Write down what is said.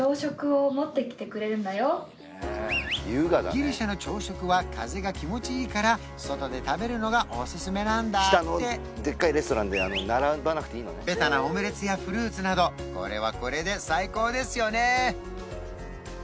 ギリシャの朝食は風が気持ちいいから外で食べるのがおすすめなんだってベタなオムレツやフルーツなどこれはこれで最高ですよね